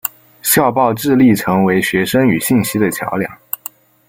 校报致力成为学生与信息的桥梁。